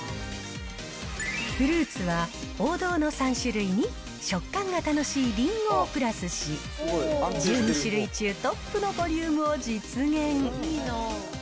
フルーツは、王道の３種類に食感が楽しいりんごをプラスし、１２種類中、トップのボリュームを実現。